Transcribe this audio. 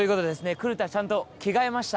クルタちゃんと着替えました。